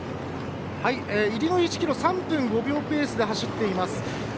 入りの１ｋｍ３分５秒ペースで走っています。